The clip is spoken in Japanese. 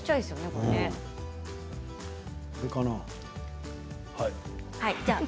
これかな？